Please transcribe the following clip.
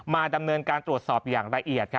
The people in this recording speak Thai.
ดำเนินการตรวจสอบอย่างละเอียด